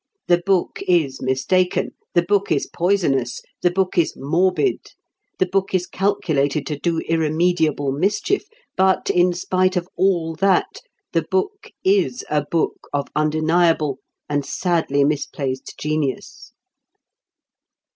The book is mistaken; the book is poisonous; the book is morbid; the book is calculated to do irremediable mischief; but in spite of all that, the book is a book of undeniable and sadly misplaced genius."